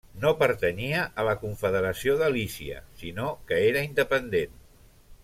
No pertanyia a la confederació de Lícia sinó que era independent.